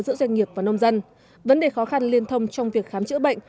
giữa doanh nghiệp và nông dân vấn đề khó khăn liên thông trong việc khám chữa bệnh